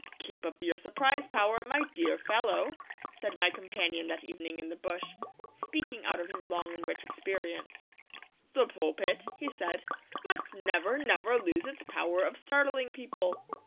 'Keep up your surprise power, my dear fellow,' said my companion that evening in the bush, speaking out of his long and rich experience. 'The pulpit,' he said, 'must never, never lose its power of startling people!'